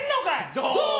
ドン！